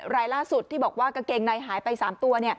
รายล่าสุดที่บอกว่ากางเกงในหายไป๓ตัว